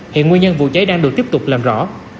hiện nguyên nhân vụ cháy đang được tiếp tục làm rõ